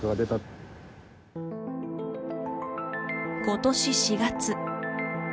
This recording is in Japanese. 今年４月。